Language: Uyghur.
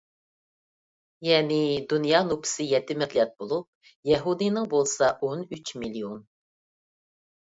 يەنى، دۇنيا نوپۇسى يەتتە مىليارد بولۇپ، يەھۇدىينىڭ بولسا ئون ئۈچ مىليون.